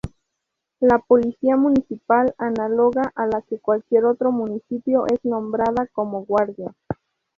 La policía municipal, análoga a la de cualquier otro municipio, es nombrada como "Guardia".